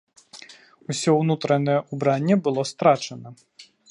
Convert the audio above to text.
Усе ўнутранае ўбранне было страчана.